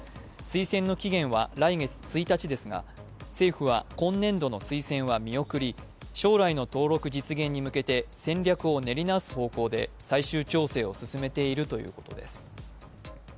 推薦の期限は来月１日ですが、政府は今年度の推薦は見送り将来の登録実現に向けて戦略を練り直す方向で最終調整を進めているということです。